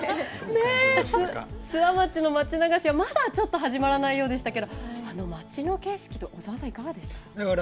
諏訪町の町流しはまだちょっと始まらないようでしたが町の景色とか、いかがでした？